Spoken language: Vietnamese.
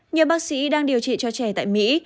nhiều bác sĩ đang điều trị cho trẻ tại mỹ